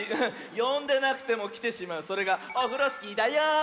よんでなくてもきてしまうそれがオフロスキーだよん！